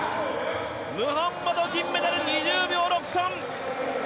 ムハンマド、銀メダル、２０秒６３！